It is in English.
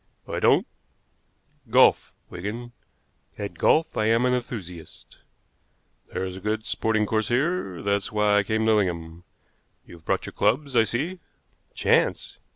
"I don't. Golf, Wigan! At golf I am an enthusiast. There's a good sporting course here, that's why I came to Lingham. You've brought your clubs, I see." "Chance.